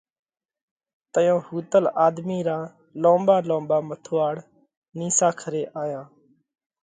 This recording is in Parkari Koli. تئيون ۿُوتل آۮمِي را لونٻا لونٻا مٿُوئاۯ نِيسا کري آيا۔